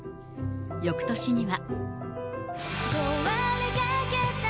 よくとしには。